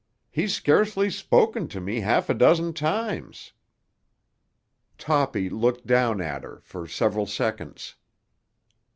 He's scarcely spoken to me half a dozen times." Toppy looked down at her for several seconds.